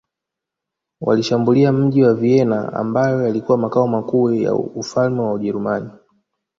Walishambulia mji wa Vienna ambayo yalikuwa makao makuu ya ufalme wa Ujerumani